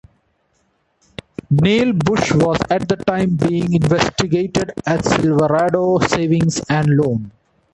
Neil Bush was, at the time, being investigated at Silverado Savings And Loan.